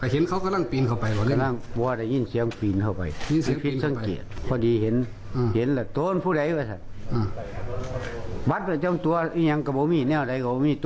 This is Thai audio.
เห็นละเดาของผู้ใดว่ะซะอ่าบัตรเจ้าตัวพี่ยังกำลังมิน